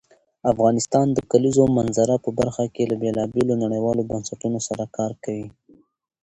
افغانستان د کلیزو منظره په برخه کې له بېلابېلو نړیوالو بنسټونو سره کار کوي.